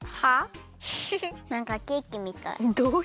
なんかケーキみたい。